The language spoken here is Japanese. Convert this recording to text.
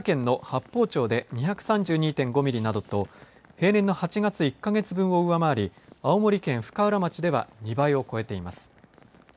八峰町で２３２．５ミリなどと平年の８月、１か月分を上回り青森県深浦町では２倍を超えています。